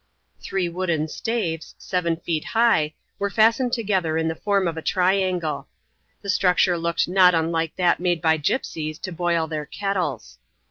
Three wooden staves, seven feet high, were fastened together in the form of a triangle. The structure looked not unlike that made by gypsies to boil their kettles.